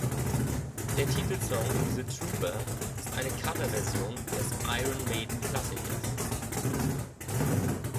Der Titelsong "The Trooper" ist eine Coverversion des Iron-Maiden-Klassikers.